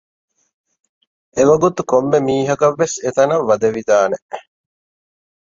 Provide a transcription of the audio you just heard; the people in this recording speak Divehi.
އެވަގުތު ކޮންމެ މީހަކަށްވެސް އެތަނަށް ވަދެވިދާނެ